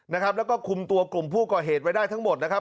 นะครับแล้วก็คุมตัวกลุ่มผู้ก่อเหตุไว้ได้ทั้งหมดนะครับ